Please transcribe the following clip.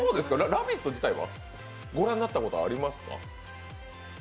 「ラヴィット！」自体はご覧になったことありますか。